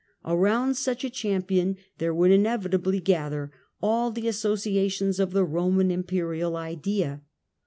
Around such a champion there would inevitably gather all the associations of the Roman Imperial idea.